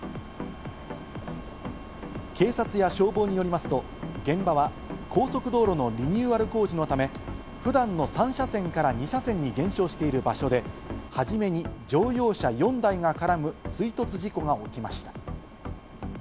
警察や消防によりますと、現場は高速道路のリニューアル工事のため普段の３車線から２車線に減少している場所で初めに乗用車４台が絡む追突事故が起きました。